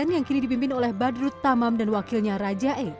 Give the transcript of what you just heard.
yang kini dipimpin oleh badrut tamam dan wakilnya raja e